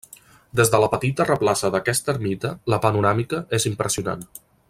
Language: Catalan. Des de la petita replaça d'aquesta ermita la panoràmica és impressionant.